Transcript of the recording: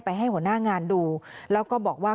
ให้หัวหน้างานดูแล้วก็บอกว่า